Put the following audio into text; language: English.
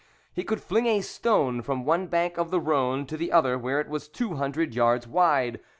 He could fling a stone from one bank of the Rhone to the other where it was two hundred yards wide.